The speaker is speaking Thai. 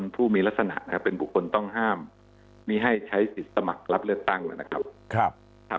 ผู้มีลักษณะนะครับเป็นบุคคลต้องห้ามมีให้ใช้สิทธิ์สมัครรับเลือกตั้งแล้วนะครับ